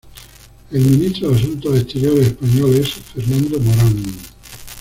El Ministro de Asuntos Exteriores español es Fernando Morán.